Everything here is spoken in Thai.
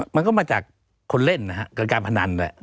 มันก็มาจากคนเล่นนะฮะเกิดการพนันแหละ